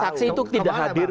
saksi itu tidak hadir